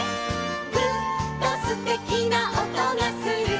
「ぐっとすてきな音がする」